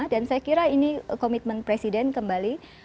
dan saya kira ini komitmen presiden kembali